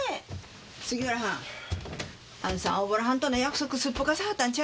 杉浦はんあんさん大洞はんとの約束すっぽかさはったんちゃいますやろな？